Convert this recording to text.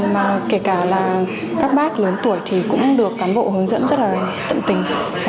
mà kể cả là các bác lớn tuổi thì cũng được cán bộ hướng dẫn rất là tận tình